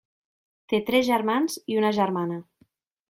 Té tres germans i una germana.